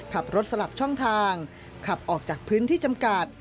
ขับรถสลับช่องทางขับออกจากพื้นที่จำกัด